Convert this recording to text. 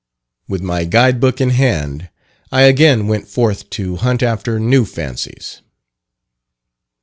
With my Guide Book in hand, I again went forth to "hunt after new fancies."